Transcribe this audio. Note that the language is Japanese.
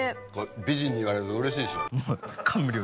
美人に言われるとうれしいでしょ？